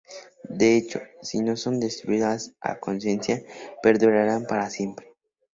De hecho, si no son destruidos a conciencia, perduran para siempre.